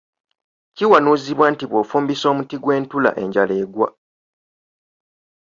Kiwanuuzibwa nti bw’ofumbisa omuti gw’entula enjala egwa.